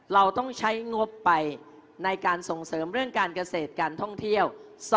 เราต้องใช้งบไปในการส่งเสริมเรื่องการเกษตรการท่องเที่ยว